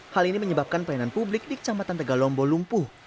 hal ini menyebabkan pelayanan publik di kecamatan tegalombo lumpuh